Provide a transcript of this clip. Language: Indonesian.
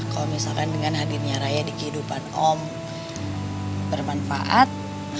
kalau misalkan dengan hadirnya raya di kehidupan om bermanfaat